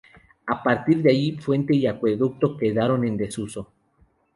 A partir de ahí Fuente y Acueducto quedaron en desuso.